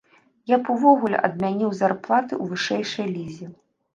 Я б увогуле адмяніў зарплаты ў вышэйшай лізе.